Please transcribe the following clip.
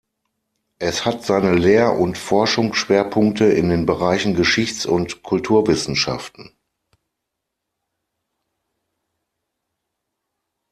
Es hat seine Lehr- und Forschungsschwerpunkte in den Bereichen Geschichts- und Kulturwissenschaften.